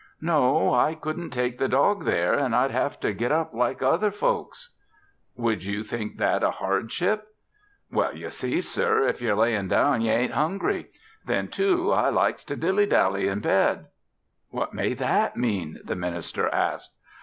"No. I couldn't take the dog there an' I'd have to git up like other folks." "Would you think that a hardship?" "Well, ye see, sir, if ye're layin' down ye ain't hungry. Then, too, I likes to dilly dally in bed." "What may that mean?" the minister asked.